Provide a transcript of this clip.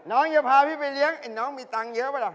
น้องอย่าพาพี่ไปเลี้ยงน้องมีตังค์เยอะป่ะล่ะ